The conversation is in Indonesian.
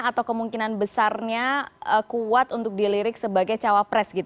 atau kemungkinan besarnya kuat untuk dilirik sebagai cawapres